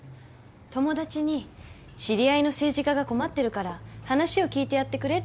友達に知り合いの政治家が困ってるから話を聞いてやってくれって言われて。